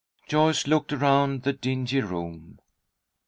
Joyce looked around the dingy room.